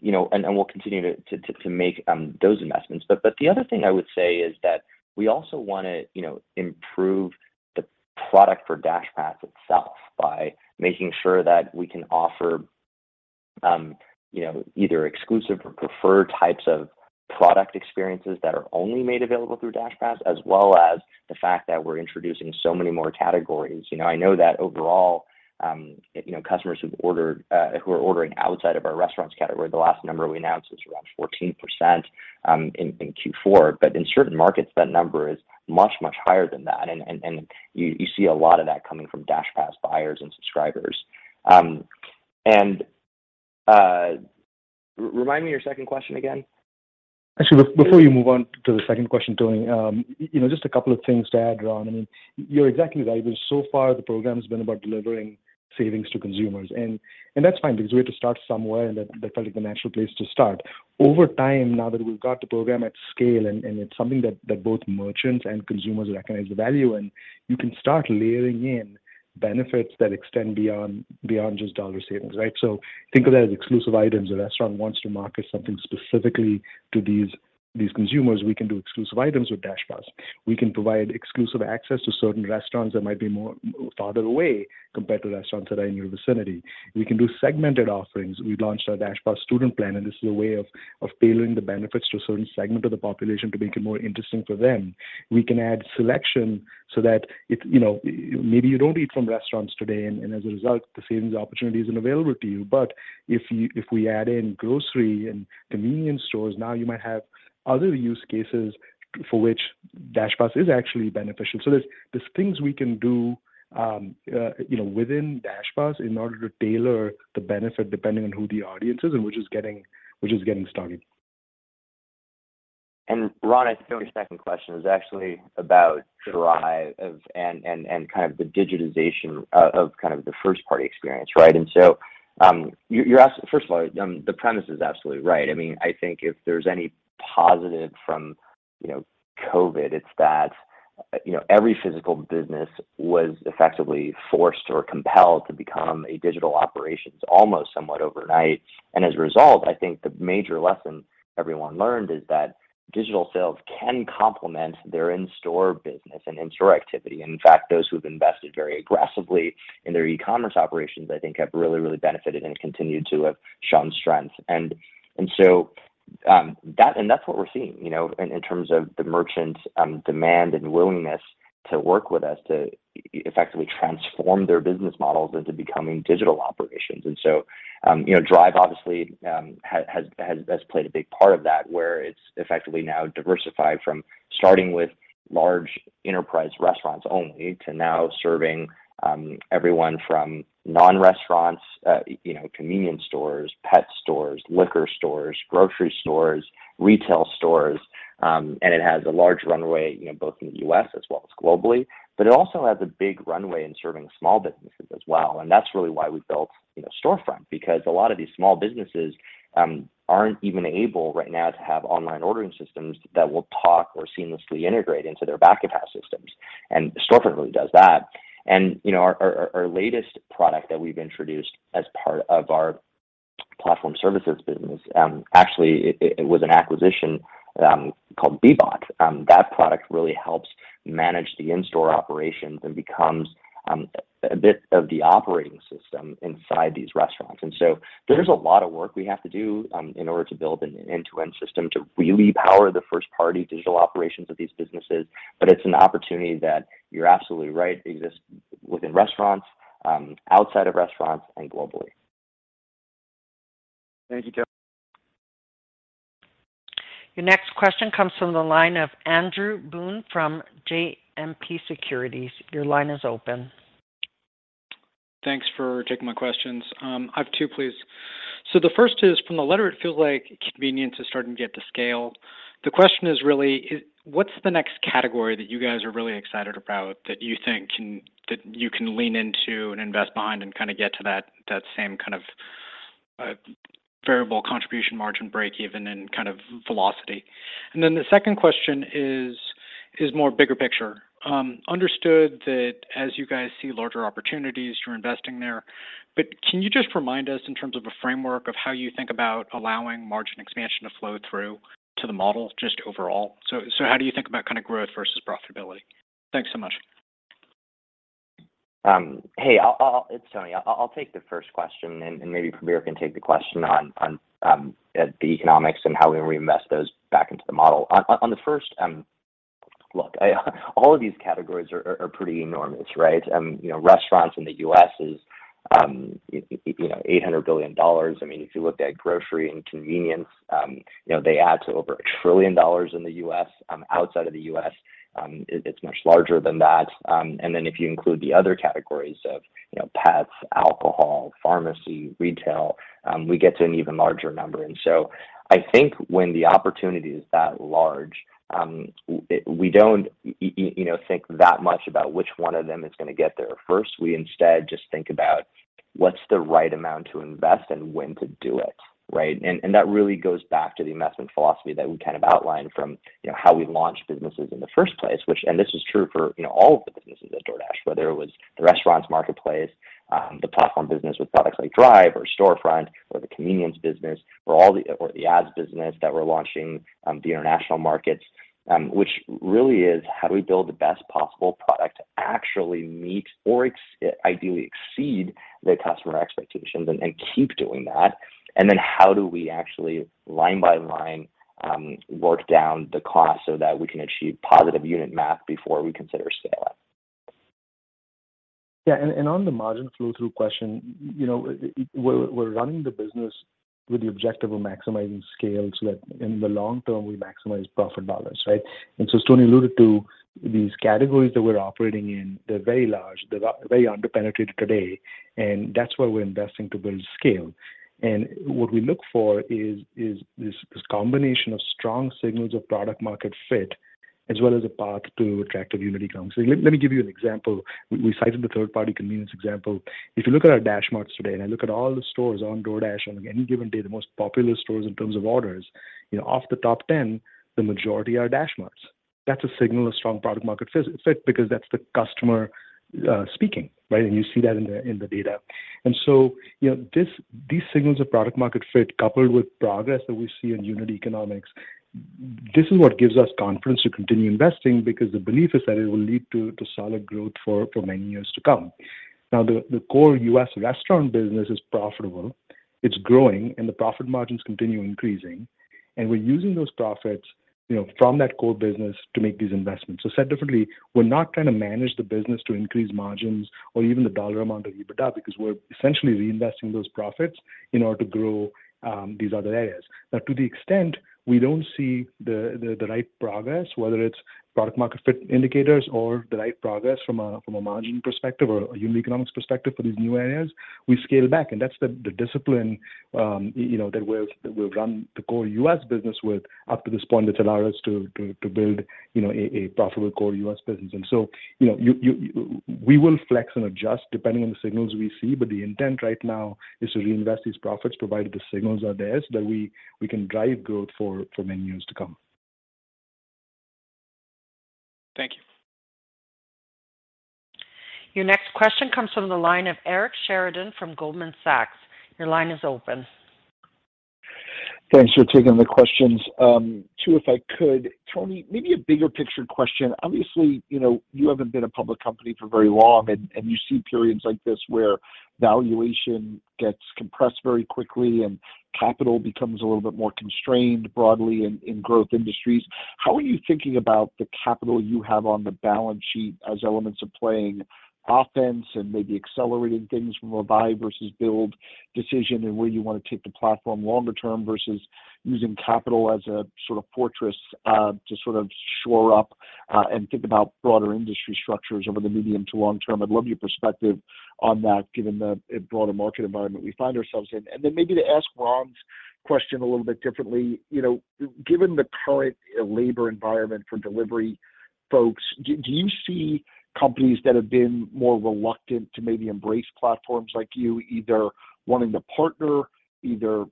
you know, and we'll continue to make those investments. The other thing I would say is that we also wanna, you know, improve the product for DashPass itself by making sure that we can offer, you know, either exclusive or preferred types of product experiences that are only made available through DashPass, as well as the fact that we're introducing so many more categories. You know, I know that overall, you know, customers who've ordered, who are ordering outside of our restaurants category, the last number we announced was around 14%, in Q4. In certain markets, that number is much higher than that. You see a lot of that coming from DashPass buyers and subscribers. Remind me your second question again. Actually, before you move on to the second question, Tony, you know, just a couple of things to add on. I mean, you're exactly right. Far, the program has been about delivering savings to consumers, and that's fine because we had to start somewhere, and that felt like the natural place to start. Over time, now that we've got the program at scale, and it's something that both merchants and consumers recognize the value in, you can start layering in benefits that extend beyond just dollar savings, right? Think of that as exclusive items. A restaurant wants to market something specifically to these consumers. We can do exclusive items with DashPass. We can provide exclusive access to certain restaurants that might be more farther away compared to restaurants that are in your vicinity. We can do segmented offerings. We launched our DashPass for Students, and this is a way of tailoring the benefits to a certain segment of the population to make it more interesting for them. We can add selection so that if, you know, maybe you don't eat from restaurants today, and as a result, the savings opportunity isn't available to you. If we add in grocery and convenience stores, now you might have other use cases for which DashPass is actually beneficial. There's things we can do, you know, within DashPass in order to tailor the benefit depending on who the audience is and which is getting started. Ron, I think your second question is actually about drive and kind of the digitization of kind of the first party experience, right? First of all, the premise is absolutely right. I mean, I think if there's any positive from, you know, COVID, it's that, you know, every physical business was effectively forced or compelled to become a digital operations almost somewhat overnight. As a result, I think the major lesson everyone learned is that digital sales can complement their in-store business and in-store activity. In fact, those who have invested very aggressively in their e-commerce operations, I think, have really benefited and continued to have shown strength. That's what we're seeing, you know, in terms of the merchant demand and willingness to work with us to effectively transform their business models into becoming digital operations. You know, drive obviously has played a big part of that, where it's effectively now diversified from starting with large enterprise restaurants only to now serving everyone from non-restaurants, you know, convenience stores, pet stores, liquor stores, grocery stores, retail stores. It has a large runway, you know, both in the U.S. as well as globally. It also has a big runway in serving small businesses as well. That's really why we built, you know, Storefront, because a lot of these small businesses aren't even able right now to have online ordering systems that will talk or seamlessly integrate into their back-of-house systems. Storefront really does that. You know, our latest product that we've introduced as part of our platform services business, actually it was an acquisition, called Bbot. That product really helps manage the in-store operations and becomes a bit of the operating system inside these restaurants. There's a lot of work we have to do in order to build an end-to-end system to really power the first party digital operations of these businesses. It's an opportunity that you're absolutely right exists within restaurants, outside of restaurants and globally. Thank you, Tony. Your next question comes from the line of Andrew Boone from JMP Securities. Your line is open. Thanks for taking my questions. I have two, please. The first is, from the letter, it feels like convenience is starting to get to scale. The question is really, what's the next category that you guys are really excited about that you think that you can lean into and invest behind and kind of get to that same kind of variable contribution margin breakeven and kind of velocity? Then the second question is more big picture. Understood that as you guys see larger opportunities, you're investing there. But can you just remind us in terms of a framework of how you think about allowing margin expansion to flow through to the model just overall? How do you think about kind of growth versus profitability? Thanks so much. Hey, it's Tony. I'll take the first question, and maybe Prabir can take the question on the economics and how we reinvest those back into the model. On the first, look, all of these categories are pretty enormous, right? You know, restaurants in the U.S. is $800 billion. I mean, if you looked at grocery and convenience, you know, they add to over $1 trillion in the U.S. Outside of the U.S., it's much larger than that. Then if you include the other categories of, you know, pets, alcohol, pharmacy, retail, we get to an even larger number. I think when the opportunity is that large, we don't, you know, think that much about which one of them is going to get there first. We instead just think about what's the right amount to invest and when to do it, right? That really goes back to the investment philosophy that we kind of outlined from, you know, how we launch businesses in the first place, which and this is true for, you know, all of the businesses at DoorDash, whether it was the restaurants marketplace, the platform business with products like drive or Storefront or the convenience business or the ads business that we're launching, the international markets, which really is how do we build the best possible product to actually meet or ideally exceed the customer expectations and keep doing that. How do we actually line by line work down the cost so that we can achieve positive unit math before we consider scaling? Yeah. On the margin flow through question, you know, we're running the business with the objective of maximizing scale so that in the long term, we maximize profit dollars, right? Tony alluded to these categories that we're operating in. They're very large. They're very under-penetrated today, and that's why we're investing to build scale. What we look for is this combination of strong signals of product market fit, as well as a path to attractive unit economics. Let me give you an example. We cited the third party convenience example. If you look at our DashMart today, and I look at all the stores on DoorDash on any given day, the most popular stores in terms of orders, you know, of the top 10, the majority are DashMarts. That's a signal of strong product market fit because that's the customer speaking, right? You see that in the data. You know, these signals of product market fit coupled with progress that we see in unit economics, this is what gives us confidence to continue investing, because the belief is that it will lead to solid growth for many years to come. Now, the core US restaurant business is profitable. It's growing, and the profit margins continue increasing. We're using those profits, you know, from that core business to make these investments. Said differently, we're not trying to manage the business to increase margins or even the dollar amount of EBITDA, because we're essentially reinvesting those profits in order to grow these other areas. Now to the extent we don't see the right progress, whether it's product market fit indicators or the right progress from a margin perspective or a unit economics perspective for these new areas, we scale back. That's the discipline, you know, that we've run the core US business with up to this point that allow us to build, you know, a profitable core US business. We will flex and adjust depending on the signals we see, but the intent right now is to reinvest these profits, provided the signals are there, so that we can drive growth for many years to come. Thank you. Your next question comes from the line of Eric Sheridan from Goldman Sachs. Your line is open. Thanks for taking the questions. Two, if I could. Tony, maybe a bigger picture question. Obviously, you know, you haven't been a public company for very long, and you see periods like this where valuation gets compressed very quickly and capital becomes a little bit more constrained broadly in growth industries. How are you thinking about the capital you have on the balance sheet as elements of playing offense and maybe accelerating things from a buy versus build decision and where you wanna take the platform longer term versus using capital as a sort of fortress to sort of shore up and think about broader industry structures over the medium to long term? I'd love your perspective on that given the broader market environment we find ourselves in. Maybe to ask Ronald's question a little bit differently, you know, given the current labor environment for delivery folks, do you see companies that have been more reluctant to maybe embrace platforms like you, either wanting to partner either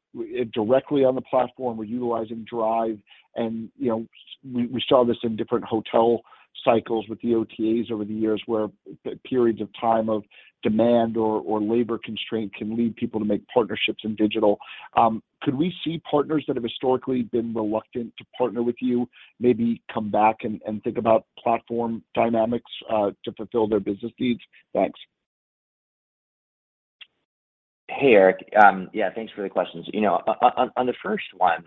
directly on the platform or utilizing drive? You know, we saw this in different hotel cycles with the OTAs over the years, where periods of time of demand or labor constraint can lead people to make partnerships in digital. Could we see partners that have historically been reluctant to partner with you maybe come back and think about platform dynamics to fulfill their business needs? Thanks. Hey, Eric. Yeah, thanks for the questions. You know, on the first one,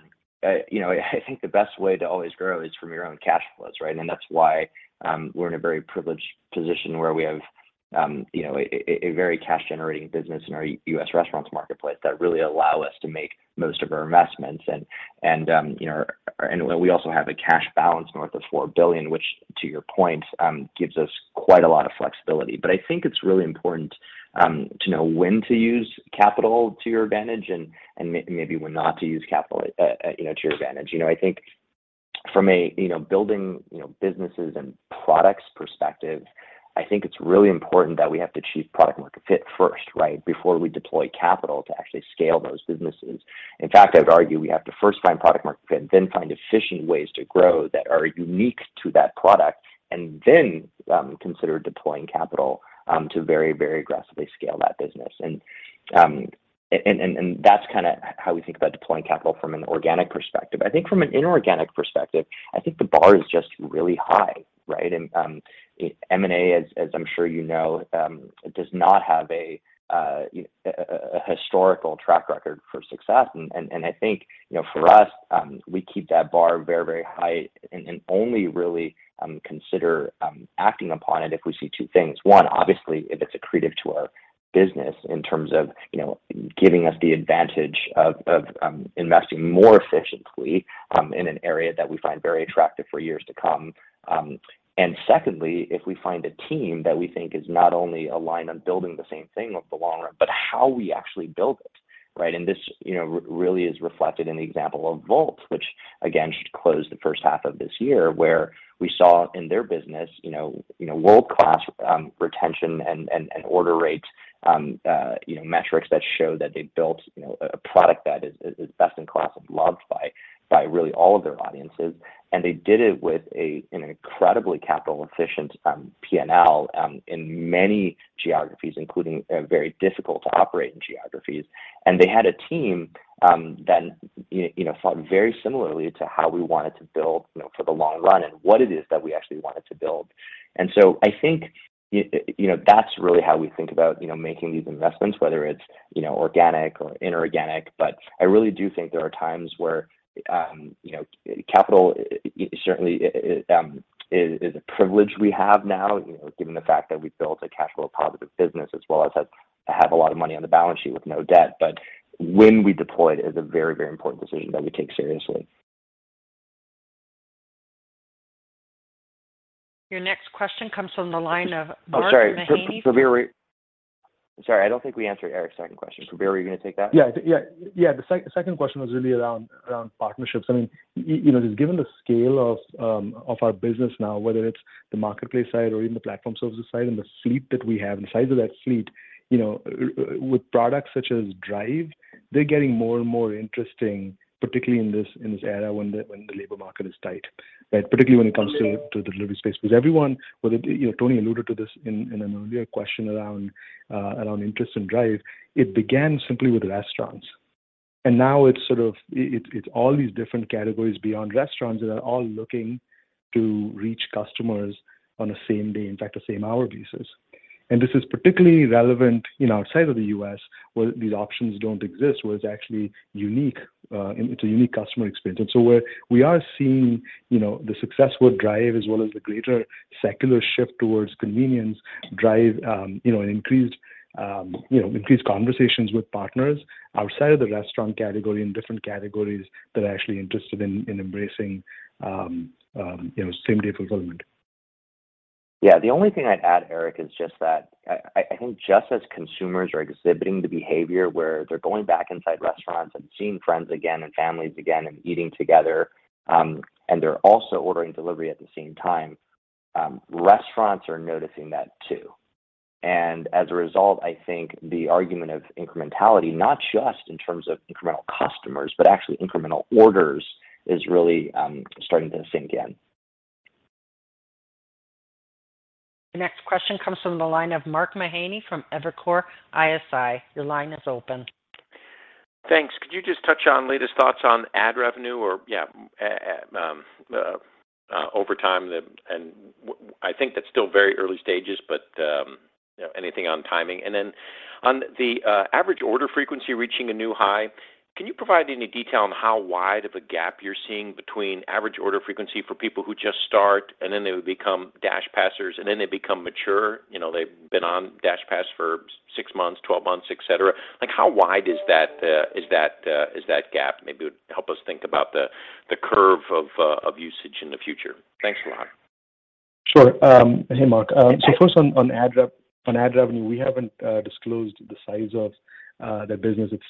you know, I think the best way to always grow is from your own cash flows, right? That's why we're in a very privileged position where we have, you know, a very cash generating business in our U.S. restaurants marketplace that really allow us to make most of our investments. You know, and we also have a cash balance north of $4 billion, which, to your point, gives us quite a lot of flexibility. I think it's really important to know when to use capital to your advantage and maybe when not to use capital, you know, to your point. You know, I think from a building businesses and products perspective, I think it's really important that we have to achieve product market fit first, right, before we deploy capital to actually scale those businesses. In fact, I'd argue we have to first find product market fit, then find efficient ways to grow that are unique to that product, and then consider deploying capital to very, very aggressively scale that business. That's kinda how we think about deploying capital from an organic perspective. I think from an inorganic perspective, I think the bar is just really high, right? M&A, as I'm sure you know, does not have a historical track record for success. I think, you know, for us, we keep that bar very, very high and only really consider acting upon it if we see two things. One, obviously, if it's accretive to our business in terms of, you know, giving us the advantage of investing more efficiently in an area that we find very attractive for years to come. And secondly, if we find a team that we think is not only aligned on building the same thing over the long run, but how we actually build it, right? This, you know, really is reflected in the example of Wolt, which again should close the first half of this year, where we saw in their business you know, world-class retention and order rates, you know, metrics that show that they've built, you know, a product that is best in class and loved by really all of their audiences. They did it with an incredibly capital efficient P&L in many geographies, including very difficult to operate in geographies. They had a team that you know, thought very similarly to how we wanted to build, you know, for the long run and what it is that we actually wanted to build. I think, you know, that's really how we think about, you know, making these investments, whether it's, you know, organic or inorganic. I really do think there are times where, you know, capital certainly is a privilege we have now, you know, given the fact that we've built a cash flow positive business as well as have a lot of money on the balance sheet with no debt. When we deploy it is a very, very important decision that we take seriously. Your next question comes from the line of Mark Mahaney. Oh, sorry. Sorry, I don't think we answered Eric's second question. Prabir, are you gonna take that? Yeah. The second question was really around partnerships. I mean, you know, just given the scale of our business now, whether it's the marketplace side or even the platform services side, and the fleet that we have and the size of that fleet, you know, with products such as drive, they're getting more and more interesting, particularly in this era when the labor market is tight, right? Particularly when it comes to the delivery space. Because everyone, you know, Tony alluded to this in an earlier question around interest in drive, it began simply with restaurants. Now it's all these different categories beyond restaurants that are all looking to reach customers on the same day, in fact, the same hour basis. This is particularly relevant, you know, outside of the U.S. where these options don't exist, where it's actually unique, it's a unique customer experience. Where we are seeing, you know, the success with Drive as well as the greater secular shift towards convenience Drive, you know, an increased conversations with partners outside of the restaurant category in different categories that are actually interested in embracing same-day fulfillment. Yeah. The only thing I'd add, Eric, is just that I think just as consumers are exhibiting the behavior where they're going back inside restaurants and seeing friends again and families again and eating together, and they're also ordering delivery at the same time, restaurants are noticing that too. As a result, I think the argument of incrementality, not just in terms of incremental customers, but actually incremental orders is really starting to sink in. The next question comes from the line of Mark Mahaney from Evercore ISI. Your line is open. Thanks. Could you just touch on latest thoughts on ad revenue or, yeah, over time? I think that's still very early stages, but, you know, anything on timing. On the average order frequency reaching a new high, can you provide any detail on how wide of a gap you're seeing between average order frequency for people who just start, and then they would become DashPassers, and then they become mature, you know, they've been on DashPass for 6 months, 12 months, et cetera? Like, how wide is that gap? Maybe it would help us think about the curve of usage in the future. Thanks a lot. Sure. Hey, Mark. So first on ad revenue, we haven't disclosed the size of that business. It's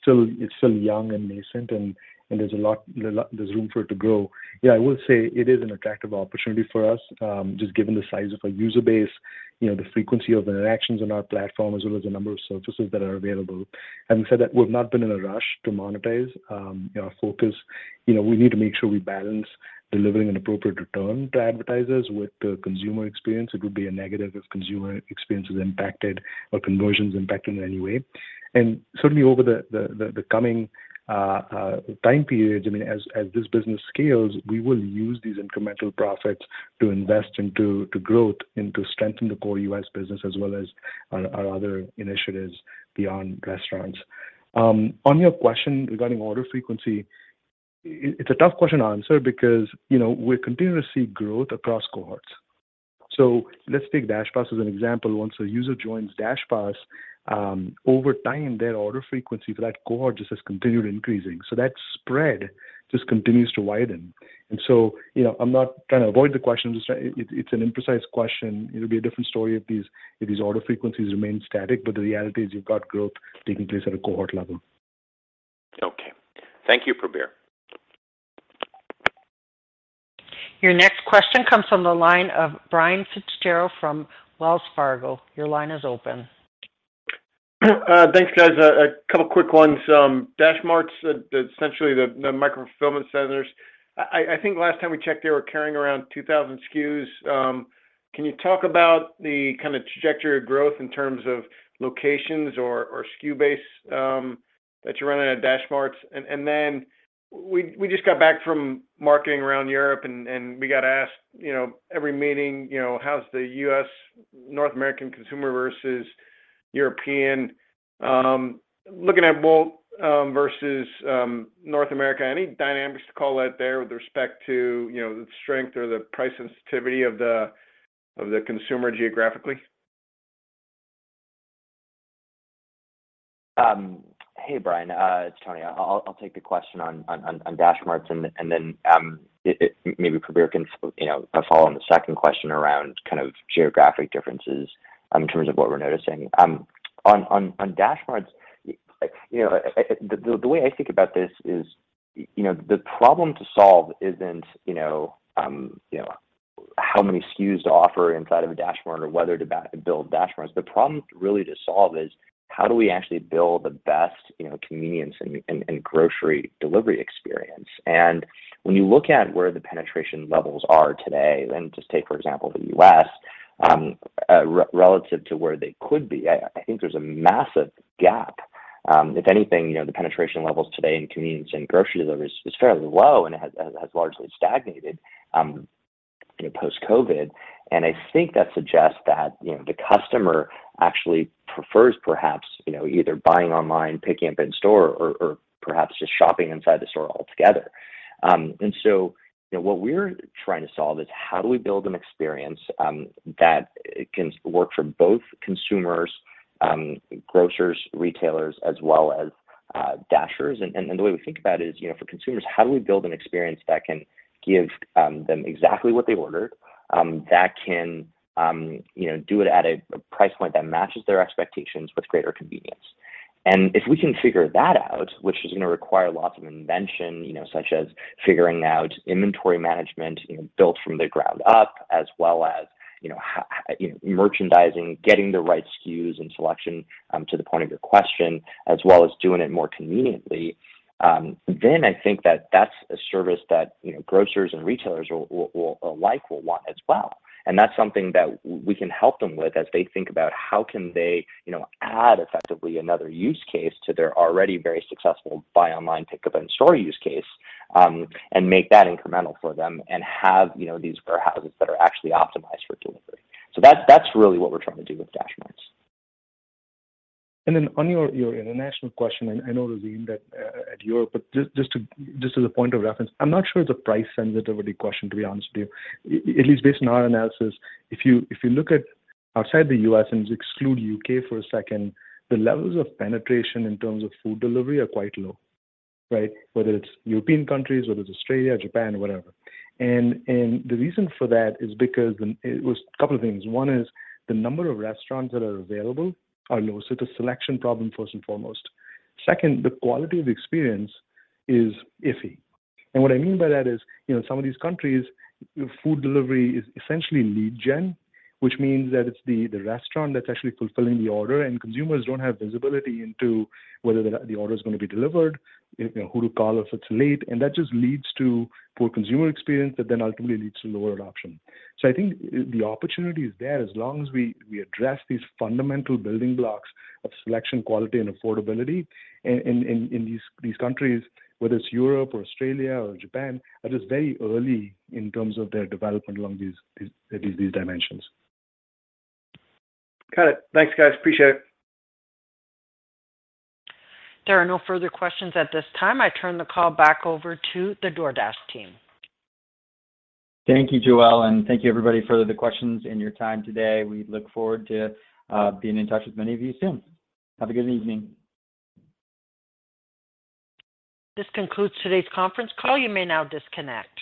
still young and nascent, and there's a lot of room for it to grow. Yeah, I will say it is an attractive opportunity for us, just given the size of our user base, you know, the frequency of interactions on our platform, as well as the number of surfaces that are available. Having said that, we've not been in a rush to monetize. You know, our focus, you know, we need to make sure we balance delivering an appropriate return to advertisers with the consumer experience. It would be a negative if consumer experience is impacted or conversions impacted in any way. Certainly over the coming time periods, I mean, as this business scales, we will use these incremental profits to invest into growth and to strengthen the core US business as well as our other initiatives beyond restaurants. On your question regarding order frequency, it's a tough question to answer because, you know, we're continuing to see growth across cohorts. Let's take DashPass as an example. Once a user joins DashPass, over time, their order frequency for that cohort just has continued increasing. That spread just continues to widen. You know, I'm not trying to avoid the question. It's an imprecise question. It'll be a different story if these order frequencies remain static, but the reality is you've got growth taking place at a cohort level. Okay. Thank you, Prabir. Your next question comes from the line of Brian Fitzgerald from Wells Fargo. Your line is open. Thanks, guys. A couple quick ones. DashMart's essentially the micro fulfillment centers. I think last time we checked, they were carrying around 2,000 SKUs. Can you talk about the kind of trajectory of growth in terms of locations or SKU base that you're running at DashMarts? Then we just got back from marketing around Europe and we got asked, you know, every meeting, you know, how's the US North American consumer versus European? Looking at Wolt versus North America, any dynamics to call out there with respect to, you know, the strength or the price sensitivity of the consumer geographically? Hey, Brian, it's Tony. I'll take the question on DashMarts and then it maybe Prabir can, you know, follow on the second question around kind of geographic differences in terms of what we're noticing. On DashMarts, you know, the way I think about this is, you know, the problem to solve isn't, you know, how many SKUs to offer inside of a DashMart or whether to build DashMarts. The problem really to solve is how do we actually build the best, you know, convenience and grocery delivery experience? When you look at where the penetration levels are today, and just take, for example, the U.S., relative to where they could be, I think there's a massive gap. If anything, you know, the penetration levels today in convenience and grocery delivery is fairly low and has largely stagnated, you know, post-COVID. I think that suggests that, you know, the customer actually prefers perhaps, you know, either buying online, picking up in store or perhaps just shopping inside the store altogether. What we're trying to solve is how do we build an experience that can work for both consumers, grocers, retailers, as well as Dashers. The way we think about it is, you know, for consumers, how do we build an experience that can give them exactly what they ordered, that can, you know, do it at a price point that matches their expectations with greater convenience? If we can figure that out, which is gonna require lots of invention, you know, such as figuring out inventory management, you know, built from the ground up, as well as, you know, merchandising, getting the right SKUs and selection, to the point of your question, as well as doing it more conveniently, then I think that that's a service that, you know, grocers and retailers will like, will want as well. That's something that we can help them with as they think about how can they, you know, add effectively another use case to their already very successful buy online, pickup in store use case. Make that incremental for them and have, you know, these warehouses that are actually optimized for delivery. That's really what we're trying to do with DashMart. On your international question, and I know, Razine, that in Europe. Just as a point of reference, I'm not sure the price sensitivity question, to be honest with you. At least based on our analysis, if you look outside the U.S. and exclude U.K. for a second, the levels of penetration in terms of food delivery are quite low, right? Whether it's European countries, whether it's Australia, Japan, whatever. The reason for that is because it's a couple of things. One is the number of restaurants that are available are low, so it's a selection problem first and foremost. Second, the quality of experience is iffy. What I mean by that is, you know, some of these countries, food delivery is essentially lead gen, which means that it's the restaurant that's actually fulfilling the order, and consumers don't have visibility into whether the order is gonna be delivered, you know, who to call if it's late. That just leads to poor consumer experience that then ultimately leads to lower adoption. I think the opportunity is there, as long as we address these fundamental building blocks of selection, quality, and affordability in these countries, whether it's Europe or Australia or Japan, that is very early in terms of their development along these dimensions. Got it. Thanks, guys. Appreciate it. There are no further questions at this time. I turn the call back over to the DoorDash team. Thank you, Joel, and thank you everybody for the questions and your time today. We look forward to being in touch with many of you soon. Have a good evening. This concludes today's conference call. You may now disconnect.